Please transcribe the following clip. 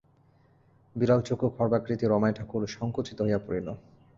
বিড়ালচক্ষু খর্বাকৃতি রমাই ঠাকুর সংকুচিত হইয়া পড়িল।